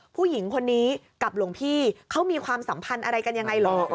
ผู้หญิงคนนี้กับหลวงพี่เขามีความสัมพันธ์อะไรกันยังไงเหรอ